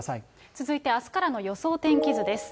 続いてあすからの予想天気図です。